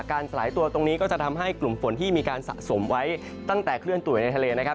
สลายตัวตรงนี้ก็จะทำให้กลุ่มฝนที่มีการสะสมไว้ตั้งแต่เคลื่อนตัวอยู่ในทะเลนะครับ